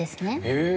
へえ！